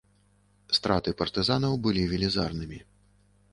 Страты партызанаў былі велізарнымі.